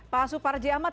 pak suparji ahmad